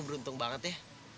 lo yang buntung banget ya